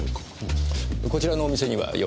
こちらのお店にはよく？